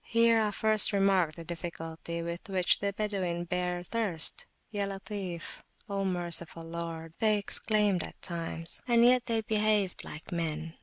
Here I first remarked the difficulty with which the Badawin bear thirst. Ya Latif,O Merciful! (Lord),they exclaimed at times; and yet they behaved like men.